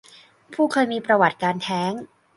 ผู้ที่เคยมีประวัติการแท้ง